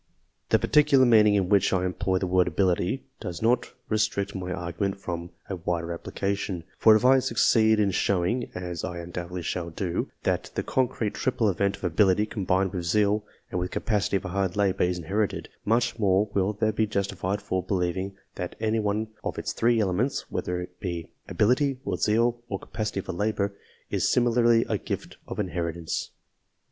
The particular meaning in which I employ the word ability, does not restrict my argument from a wider appli cation ; for, if I succeed in showing as I undoubtedly shall do that the concrete triple event, of ability combined with zeal and with capacity for hard labour, is inherited, much more will there be justification for believing that any one of its three elements, whether it be ability, or zeal, or capacity for labour, is similarly a gift of inheritance.